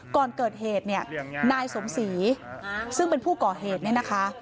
ก่อนเกิดเหตุเนี่ยนายสมศรีซึ่งเป็นผู้ก่อเหตุเนี่ยนะคะ